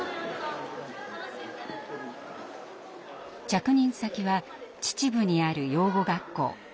着任先は秩父にある養護学校。